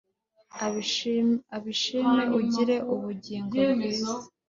ubishime ugire ubugingo bwiza